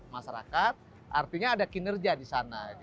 masyarakat artinya ada kinerja di sana